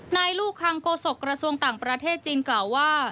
ลูกคังโกศกระทรวงต่างประเทศจีนกล่าวว่า